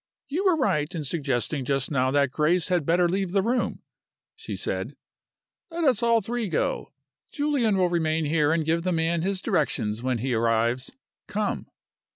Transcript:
"You were right in suggesting just now that Grace had better leave the room," she said. "Let us all three go. Julian will remain here and give the man his directions when he arrives. Come."